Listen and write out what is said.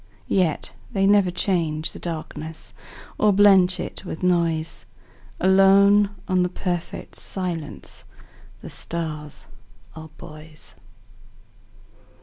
Yet they never change the darknessOr blench it with noise; Alone on the perfect silenceThe stars are buoys.